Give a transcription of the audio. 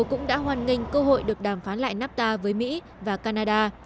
cũng đã hoan nghênh cơ hội được đàm phán lại nafta với mỹ và canada